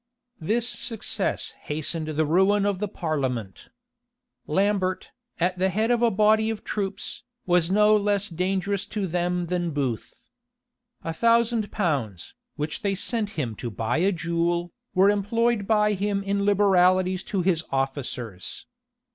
This success hastened the ruin of the parliament. Lambert, at the head of a body of troops, was no less dangerous to them than Booth. A thousand pounds, which they sent him to buy a jewel, were employed by him in liberalities to his officers.